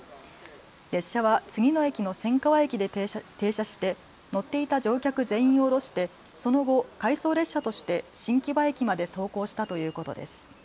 列車は次の駅の千川駅で停車して乗っていた乗客全員を降ろしてその後、回送列車として新木場駅まで走行したということです。